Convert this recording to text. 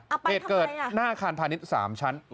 เอาไปทำอะไรน่ะเหตุเกิดหน้าคาลพาณิชย์๓ชั้น